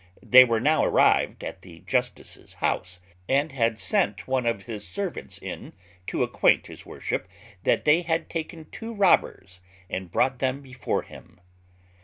They were now arrived at the justice's house, and had sent one of his servants in to acquaint his worship that they had taken two robbers and brought them before him.